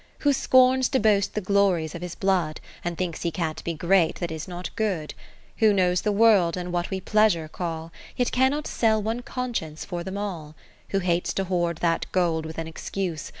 A Reverie Who scorns to boast the glories of his blood, And thinks he can't be great that is not good ; Who knows the World, and what we Pleasure call, Yet cannot sell one conscience for them all ; Who hates to hoard that gold with an excuse.